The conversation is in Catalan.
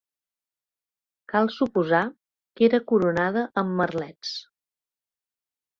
Cal suposar que era coronada amb merlets.